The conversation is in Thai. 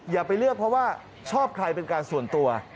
อย่าไปเลือกเพราะว่าชอบใครเป็นการส่วนตัว